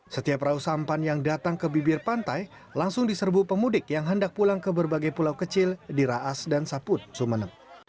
setiap perahu sampan yang datang ke bibir pantai langsung diserbu pemudik yang hendak pulang ke berbagai pulau kecil di raas dan saput sumeneb